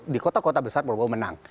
di kota kota besar prabowo menang